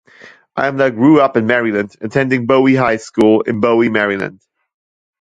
Imler grew up in Maryland, attending Bowie High School in Bowie, Maryland.